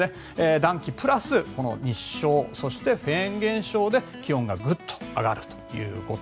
暖気プラス日照そしてフェーン現象で気温がグッと上がると。